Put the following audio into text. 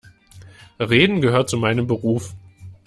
Reden gehört zu meinem Beruf.